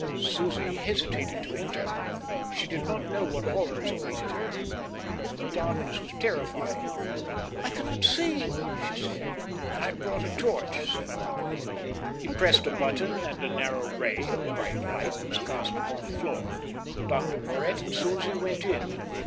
Susie hesitated to enter. She did not know what horrors awaited her, and the darkness was terrifying. "I cannot see," she said. "I've brought a torch," said Arthur. He pressed a button, and a narrow ray of bright light was cast upon the floor. Dr Porhoët and Susie went in.